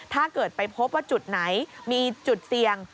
ถ้าเกิดไปพบว่าจุดไหนมีจุดเสี่ยง